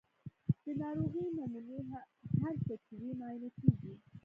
د ناروغۍ نمونې هر څه چې وي معاینه کیږي.